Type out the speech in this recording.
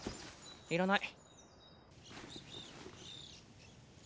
いらない。